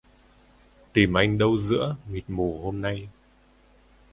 Tìm anh đâu giữa... mịt mù hôm nay!